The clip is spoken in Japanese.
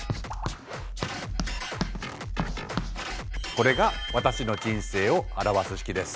これが私の人生を表す式です。